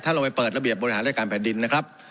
ถ้าเราไปเปิดระเบียบบริหารรายการแผ่นดินนะครับ